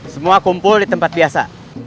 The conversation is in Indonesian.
semua kumpul di tempat biasa